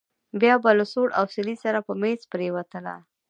بيا به له سوړ اسويلي سره په مېز پرېوتله.